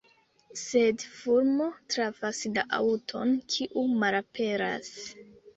Sed fulmo trafas la aŭton, kiu malaperas.